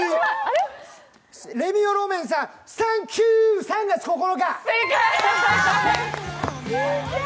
レミオロメンさん、「３月９日」！